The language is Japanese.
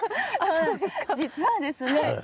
実はですねほぉ。